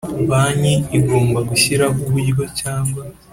Banki igomba gushyiraho uburyo cyangwa